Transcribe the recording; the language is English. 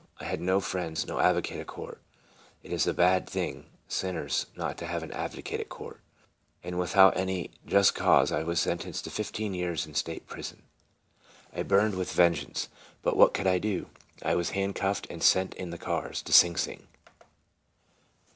I had no friends, no advocate at court, (it is a bad thing, sinners, not to have an advocate at court,) and without any just cause I was sentenced to fifteen years in Stateprison. I burned with vengeance; but what could I do? I was handcuffed, and sent in the cars to Sing Sing.